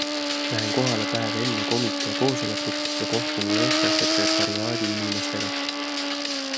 Lähen kohale päev enne komitee koosolekut ja kohtun UEFA sekretariaadi inimestega.